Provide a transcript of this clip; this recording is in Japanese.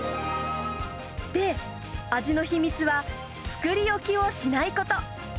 で、味の秘密は、作り置きをしないこと。